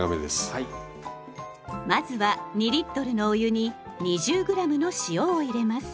まずは２のお湯に２０ｇの塩を入れます。